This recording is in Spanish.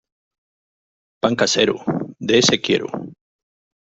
Pan casero, de ése quiero.